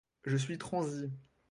Je suis transi.